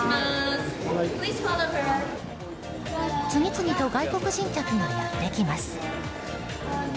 次々と外国人客がやってきます。